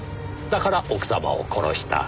だから奥様を殺した。